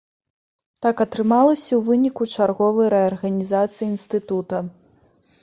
Так атрымалася ў выніку чарговай рэарганізацыі інстытута.